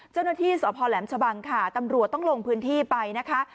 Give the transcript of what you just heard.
เจ้าหน้าที่สพแหลมชะบังค่ะตำรวจต้องลงพื้นที่ไปนะคะ